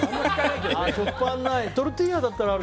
食パンないトルティーヤだったらある。